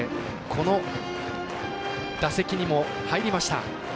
この打席にも入りました。